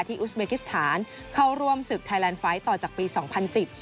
อุสเบกิสถานเข้าร่วมศึกไทยแลนด์ไฟล์ต่อจากปีสองพันสิบ